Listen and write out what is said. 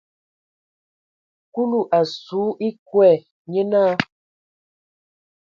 Kulu a su ekɔɛ, nye naa.